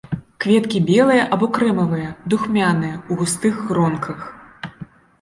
Кветкі белыя або крэмавыя, духмяныя, у густых гронках.